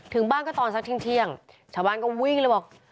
ถึงบ้านก็ตอนสักเที่ยงชาวบ้านก็วิ่งเลยบอก